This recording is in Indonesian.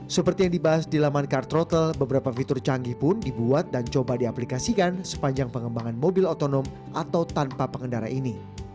seperti yang dibahas di laman car trottle beberapa fitur canggih pun dibuat dan coba diaplikasikan sepanjang pengembangan mobil otonom atau tanpa pengendara ini